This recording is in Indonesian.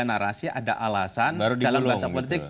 narasi ada alasan dalam bahasa politik